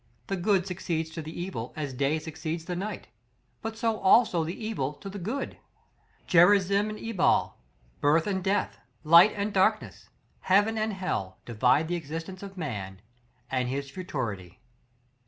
The good succeeds to the evil as day succeeds the night, but so also the evil to the good. Gerizim and Ebal, birth and death, light and darkness, heaven and hell, divide the existence of man, and his Futurity.